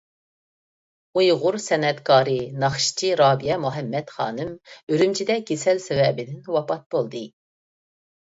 ئۇيغۇر سەنئەتكارى، ناخشىچى رابىيە مۇھەممەد خانىم ئۈرۈمچىدە كېسەل سەۋەبىدىن ۋاپات بولدى.